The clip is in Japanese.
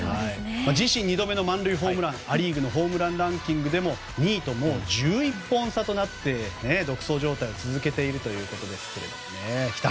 自身２度目の満塁ホームランア・リーグのホームランランキングでも２位ともう１１本差となって独走状態を続けているということですけどもね。